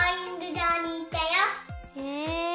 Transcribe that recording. へえ！